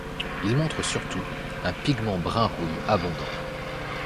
Ils montrent surtout un pigment brun rouille abondant.